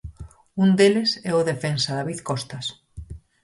Un deles é o defensa David Costas.